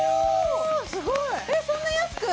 すごい！えっそんな安く？